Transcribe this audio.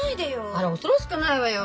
あら恐ろしかないわよ。